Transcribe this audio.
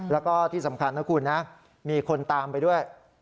แล้วก็ที่สำคัญนะคุณนะมีคนตามไปด้วย